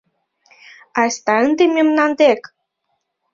Айста ынде мемнан дек!